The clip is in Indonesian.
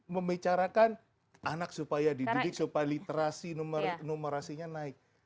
membicarakan anak supaya dididik supaya literasi numerasinya naik